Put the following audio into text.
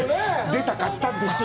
出たかったんです。